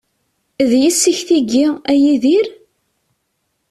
D yessi-k tigi, a Yidir?